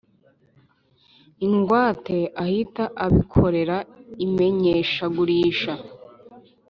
Ingwate ahita abikorera imenyeshagurisha